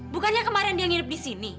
bukannya kemarin dia ngidip disini